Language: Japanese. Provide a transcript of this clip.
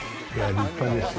立派ですね。